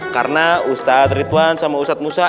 karena ustadz ridwan sama ustadz musa